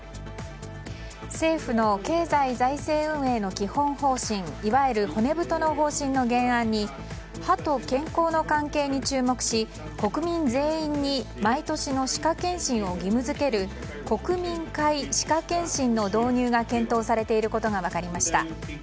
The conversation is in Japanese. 政府の経済財政運営の基本方針いわゆる骨太の方針の原案に歯と健康の関係に注目し国民全員に毎年の歯科健診を義務付ける国民皆歯科健診の導入が検討されていることが分かりました。